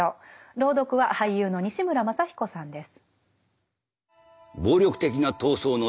朗読は俳優の西村まさ彦さんです。